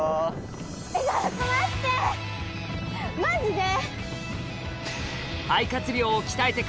マジで？